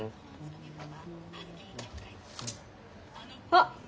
あっ！